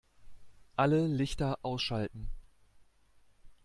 Alle Lichter ausschalten